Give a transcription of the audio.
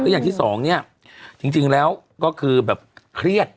อย่างที่สองเนี่ยจริงแล้วก็คือแบบเครียด